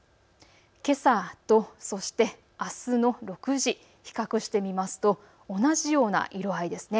けさと、そしてあすの６時、比較してみますと同じような色合いですね。